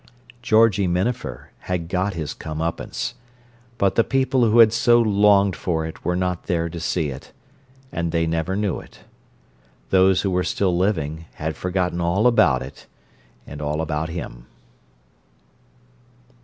Georgie Minafer had got his come upance, but the people who had so longed for it were not there to see it, and they never knew it. Those who were still living had forgotten all about it and all about him.